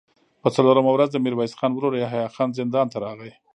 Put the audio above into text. په څلورمه ورځ د ميرويس خان ورو يحيی خان زندان ته راغی.